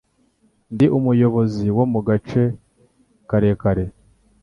Ndi umuyobozi wo mugace karekare